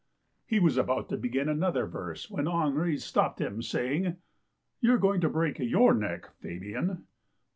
He was about to begin another verse when Henri stopped him, saying :" You're going to break you)' neck, Fabian."